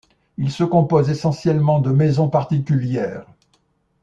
Il se compose essentiellement de maisons particulières.